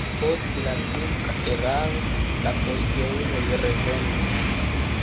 Post la turka erao la posteuloj revenis.